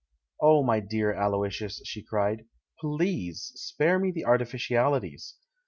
"Oh, my dear Aloysius," she cried, "please! Spare me the artificialities!